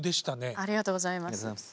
ありがとうございます。